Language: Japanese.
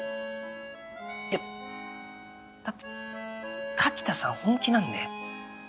いやだって柿田さん本気なんで。